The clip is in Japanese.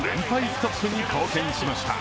ストップに貢献しました。